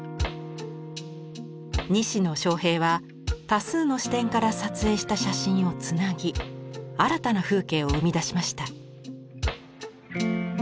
西野壮平は多数の視点から撮影した写真をつなぎ新たな風景を生み出しました。